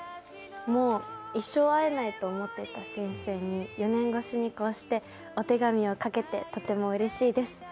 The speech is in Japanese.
もう、一生会えないと思っていた先生に、４年越しにこうしてお手紙を書けてとてもうれしいです。